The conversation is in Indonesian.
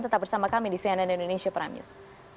tetap bersama kami di cnn indonesia prime news